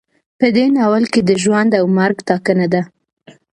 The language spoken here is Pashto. په دې ناول کې د ژوند او مرګ ټاکنه ده.